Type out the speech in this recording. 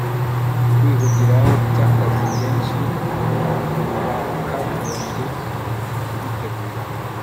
Kwihugiraho by akazi kenshi ku bakagombye kubitegura